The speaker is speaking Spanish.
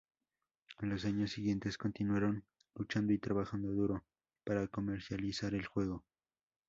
En los años siguientes, continuaron luchando y trabajando duro para comercializar el juego.